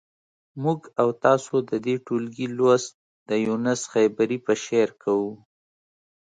موږ او تاسو د دې ټولګي لوست د یونس خیبري په شعر کوو.